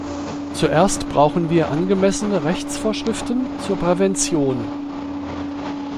Zuerst brauchen wir angemessene Rechtsvorschriften zur Prävention.